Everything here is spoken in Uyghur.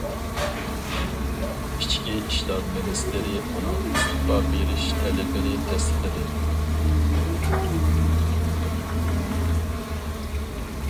ئىچكى ئىشلار مىنىستىرى ئۇنىڭ ئىستېپا بېرىش تەلىپىنى تەستىقلىدى.